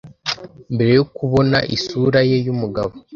mbere yo kubona isura ye yumugabo